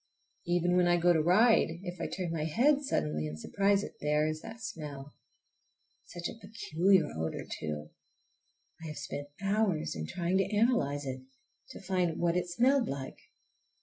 Even when I go to ride, if I turn my head suddenly and surprise it—there is that smell! Such a peculiar odor, too! I have spent hours in trying to analyze it, to find what it smelled like.